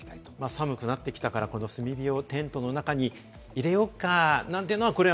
寒くなってきたから炭火をテントの中に入れよっかなんていうのは。